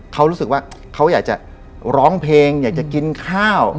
เขารู้สึกว่าเขาอยากจะร้องเพลงอยากจะกินข้าว